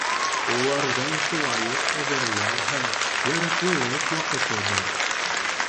Уларҙың шулай уҡ әҙерләү һәм яраҡлылыҡ ваҡыты бар.